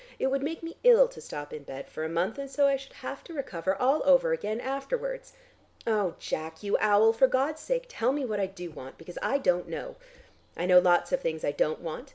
It would make me ill to stop in bed for a month, and so I should have to recover all over again afterwards. Oh Jack, you owl, for God's sake tell me what I do want, because I don't know. I know lots of things I don't want.